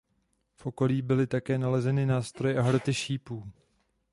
V okolí byly také nalezeny nástroje a hroty šípů.